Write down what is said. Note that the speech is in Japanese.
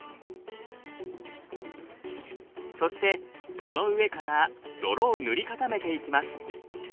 そしてその上から泥を塗り固めていきます。